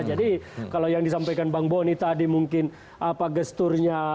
jadi kalau yang disampaikan bang boni tadi mungkin apa gesturnya